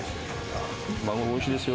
マグロ、おいしいですよ。